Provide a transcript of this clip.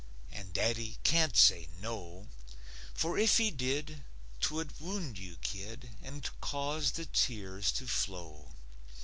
And daddy can't say "No;" For if he did, 'twould wound you, kid, And cause the tears to flow.